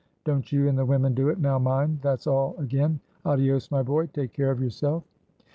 Don't you and the women do it, now, mind! That's all again. Addios, my boy. Take care of yourself!"